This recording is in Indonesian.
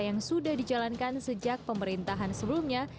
yang sudah dijalankan sejak pemerintahan sebelumnya